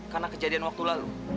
karena kejadian waktu lalu